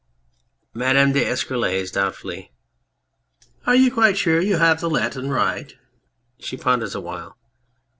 MADAME D'ESCUROLLES (doubtfully}. Are you quite sure you have the Latin right ? (She ponders awhile.